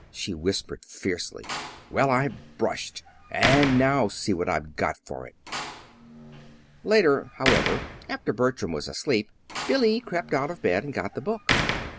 she whispered fiercely. "Well, I've 'brushed' and now see what I've got for it!" Later, however, after Bertram was asleep, Billy crept out of bed and got the book.